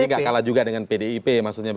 jadi tidak kalah juga dengan pdip maksudnya